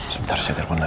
sebentar saya telepon lagi